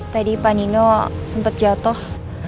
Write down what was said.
tadi pak nino sempat jatuh